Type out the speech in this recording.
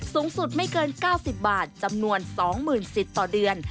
สูงสุดไม่เกิน๙๐บาทจำนวน๒๐๐๐สิทธิ์ต่อเดือน